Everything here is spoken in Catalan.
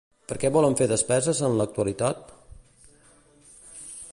Per què volen fer despeses en l'actualitat?